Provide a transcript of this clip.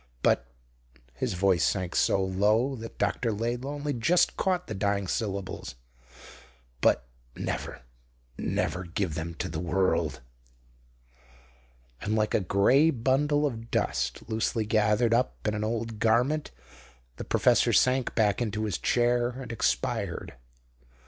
But" his voice sank so low that Dr. Laidlaw only just caught the dying syllables "but never, never give them to the world." And like a grey bundle of dust loosely gathered up in an old garment the professor sank back into his chair and expired.